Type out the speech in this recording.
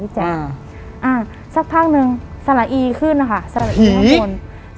พี่แจงอ่าสักพักหนึ่งสละอีขึ้นอะค่ะสละอีขึ้นข้างบน